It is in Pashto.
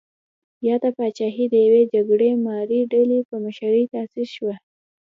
یاده پاچاهي د یوې جګړه مارې ډلې په مشرۍ تاسیس شوه.